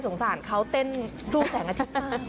สงสารเขาเต้นสู้แสงอาทิตย์